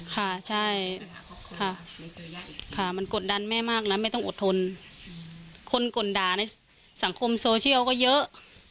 ค่ะใช่ค่ะมันกดดันแม่มากนะแม่ต้องอดทนคนกดด่าในสังคมโซเชียลก็เยอะ